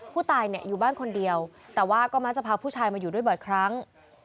ผู้ตายเนี่ยอยู่บ้านคนเดียวแต่ว่าก็มักจะพาผู้ชายมาอยู่ด้วยบ่อยครั้ง